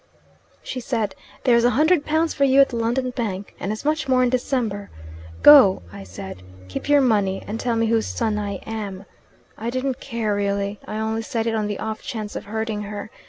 She said, 'There's a hundred pounds for you at the London bank, and as much more in December. Go!' I said, 'Keep your money, and tell me whose son I am.' I didn't care really. I only said it on the off chance of hurting her.